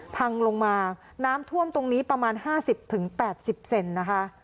พังลงมาน้ำท่วมตรงนี้ประมาณห้าสิบถึงแปดสิบเซนนะคะ